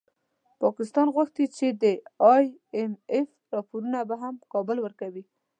پاکستان غوښتي چي د ای اېم اېف پورونه به هم کابل ورکوي